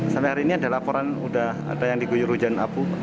sampai hari ini ada laporan ada yang digunyur hujan apu